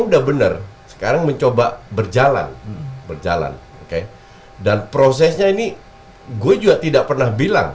udah bener sekarang mencoba berjalan berjalan oke dan prosesnya ini gue juga tidak pernah bilang